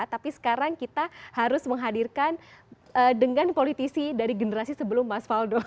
tapi sekarang kita harus menghadirkan dengan politisi dari generasi sebelum mas faldo